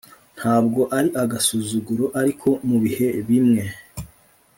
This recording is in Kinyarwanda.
Ntabwo ari agasuzuguro ariko mubihe bimwe